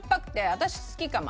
私好きかも。